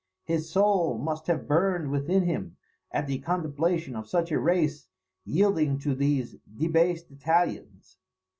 His soul must have burned within him at the contemplation of such a race yielding to these debased Italians.